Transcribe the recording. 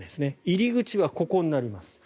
入り口はここになります。